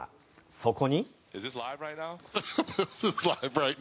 そこに。